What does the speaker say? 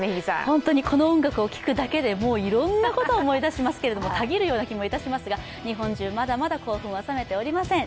本当にこの音楽を聴くだけでいろんなことを思い出しますがたぎるような気もいたしますが日本中まだまだ興奮は冷めていません。